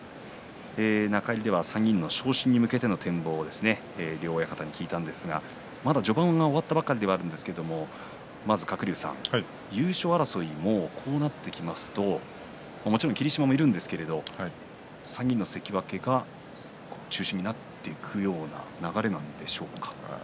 中入りでは３人の昇進についての展望を両親方に聞いたんですがまだ序盤、終わったばかりではあるんですが鶴竜さん、優勝争いもこうなってきますともちろん霧島もいるんですけれど３人の関脇が中心になってくるような流れなんでしょうか。